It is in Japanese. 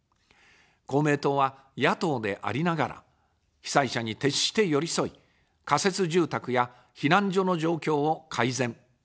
公明党は野党でありながら、被災者に徹して寄り添い、仮設住宅や避難所の状況を改善。